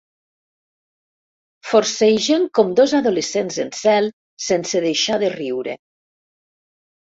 Forcegen com dos adolescents en zel, sense deixar de riure.